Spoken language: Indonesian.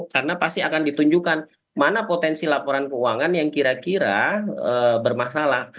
karena pasti akan ditunjukkan mana potensi laporan keuangan yang kira kira bermasalah